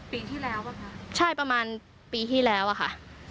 ปีที่แล้วป่ะคะใช่ประมาณปีที่แล้วอะค่ะ